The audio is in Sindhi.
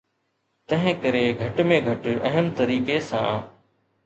تنهن ڪري گهٽ ۾ گهٽ اهم طريقي سان.